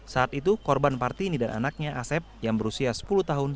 saat itu korban partini dan anaknya asep yang berusia sepuluh tahun